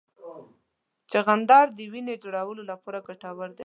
چغندر د وینې جوړولو لپاره ګټور دی.